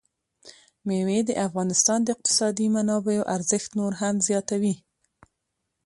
مېوې د افغانستان د اقتصادي منابعو ارزښت نور هم زیاتوي.